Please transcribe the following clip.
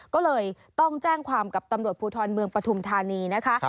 ก็เลยต้องแจ้งความกับตำรวจภูทรเมืองปฐุมธานีนะคะ